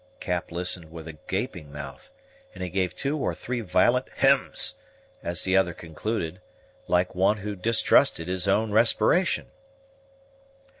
Cap listened with a gaping mouth; and he gave two or three violent hems, as the other concluded, like one who distrusted his own respiration.